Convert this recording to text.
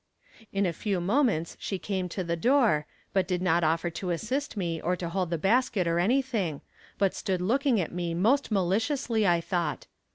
In a few moments she came to the door, but did not offer to assist me, or to hold the basket, or anything, but stood looking at me most maliciously, I thought.